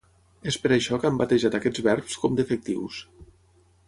És per això que han batejat aquests verbs com defectius.